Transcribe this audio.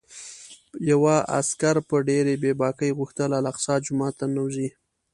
یوه عسکر په ډېرې بې باکۍ غوښتل الاقصی جومات ته ننوځي.